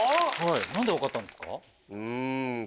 何で分かったんですか？